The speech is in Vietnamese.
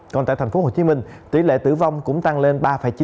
còn tại tp hcm tỷ lệ tử vong cũng tăng lên ba chín